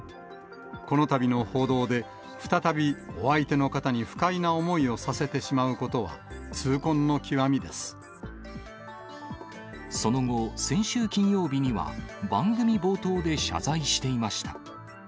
このたびの報道で、再びお相手の方に不快な思いをさせてしまうことは、痛恨の極みでその後、先週金曜日には番組冒頭で謝罪していました。